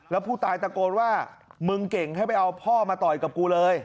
แล้วผู้ตายตะโกนว่ามึงเก่งให้ไปเอาพ่อมาต่อยกับกูเลย